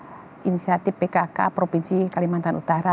inisiatif pkk provinsi kalimantan utara